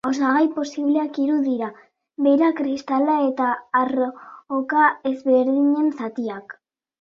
Osagai posibleak hiru dira: beira, kristala eta arroka ezberdinen zatiak.